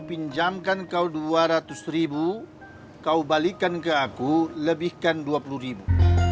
pinjamkan kau dua ratus ribu kau balikkan ke aku lebihkan dua puluh ribu